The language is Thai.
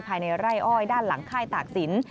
ภายในไร่อ้อยด้านหลังค่ายตากศิลป